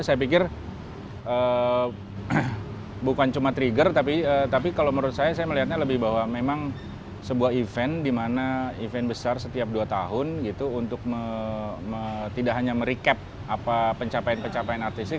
saya pikir bukan cuma trigger tapi kalau menurut saya saya melihatnya lebih bahwa memang sebuah event di mana event besar setiap dua tahun gitu untuk tidak hanya merecap apa pencapaian pencapaian artistik